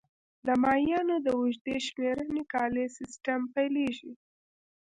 د مایانو د اوږدې شمېرنې کالیز سیستم پیلېږي